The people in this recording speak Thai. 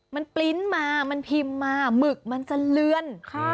มันปริ้นต์มามันพิมพ์มาหมึกมันจะเลือน